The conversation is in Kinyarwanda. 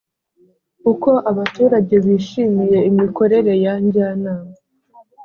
uko abaturage bishimiye imikorere ya njyanama